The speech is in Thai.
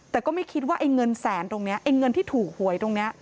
แต่ก็ไม่คิดว่าไอ้เงินแสนตรงนี้ไอ้เงินที่ถูกหวยตรงนี้